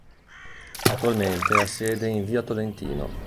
Attualmente ha sede in via da Tolentino.